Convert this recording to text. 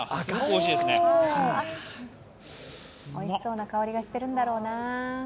おいしそうな香りがしてるんだろうな。